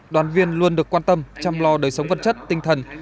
đoàn viên luôn được quan tâm chăm lo đời sống vật chất tinh thần